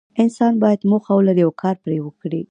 انسان باید موخه ولري او کار پرې وکړي.